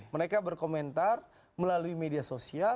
mereka berkomentar melalui media sosial